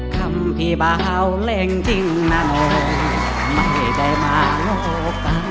คำพี่เบาเล็งทิ้งนานไม่ได้มาโลกกัน